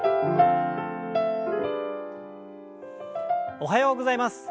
おはようございます。